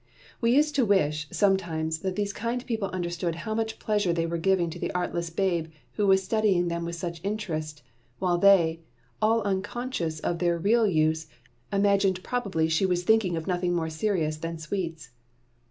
We used to wish, sometimes, that these kind people understood how much pleasure they were giving to the artless babe who was studying them with such interest, while they, all unconscious of their real use, imagined probably she was thinking of nothing more serious than sweets.